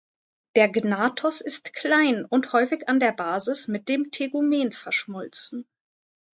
Der Gnathos ist klein und häufig an der Basis mit dem Tegumen verschmolzen.